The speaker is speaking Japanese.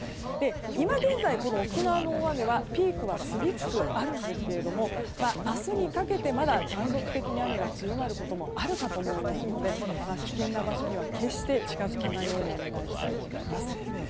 今現在、沖縄の大雨はピークは過ぎつつありますが明日にかけてまだ、断続的に雨が強まることもあるかと思いますので危険な場所には決して近づかないようにお願いしたいと思います。